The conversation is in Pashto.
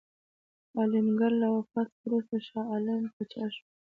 عالمګیر له وفات څخه وروسته شاه عالم پاچا شو.